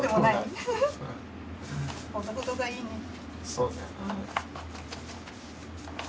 そうね。